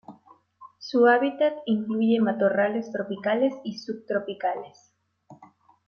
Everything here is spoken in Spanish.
Su hábitat incluye matorrales tropicales y subtropicales.